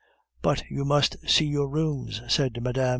"But you must see your rooms," said Mme.